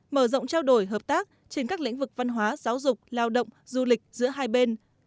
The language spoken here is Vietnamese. mở rộng trao đổi hợp tác trên các lĩnh vực văn hóa giáo dục lao động du lịch giữa hai bên